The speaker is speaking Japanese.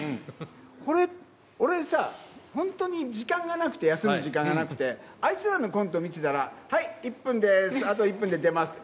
これ、俺さ、本当に時間がなくて、休む時間がなくて、あいつらのコント見てたら、はい、１分です、あと１分で出ますって。